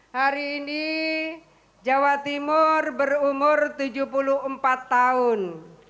hari ini jawa timur berumur tujuh puluh empat tahun